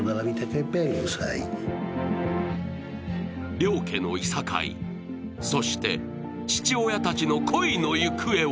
両家のいさかい、そして父親たちの恋の行方は